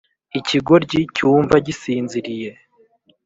Ikigoryi cyumva gisinziriye